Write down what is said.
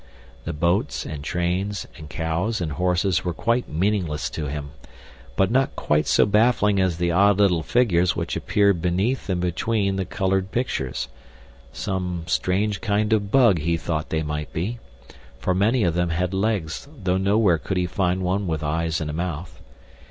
The boats, and trains, and cows and horses were quite meaningless to him, but not quite so baffling as the odd little figures which appeared beneath and between the colored pictures—some strange kind of bug he thought they might be, for many of them had legs though nowhere could he find one with eyes and a mouth.